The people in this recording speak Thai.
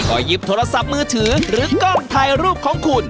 ก็หยิบโทรศัพท์มือถือหรือกล้องถ่ายรูปของคุณ